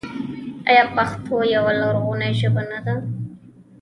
آیا پښتو یوه لرغونې ژبه نه ده؟